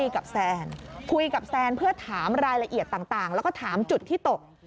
กับแซนคุยกับแซนเพื่อถามรายละเอียดต่างแล้วก็ถามจุดที่ตก